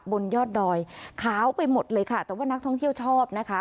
บนยอดดอยขาวไปหมดเลยค่ะแต่ว่านักท่องเที่ยวชอบนะคะ